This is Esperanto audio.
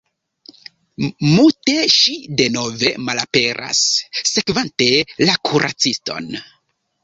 Mute ŝi denove malaperas, sekvante la kuraciston.